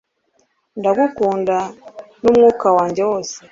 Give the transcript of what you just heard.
ndagukunda numwuka wanjye wose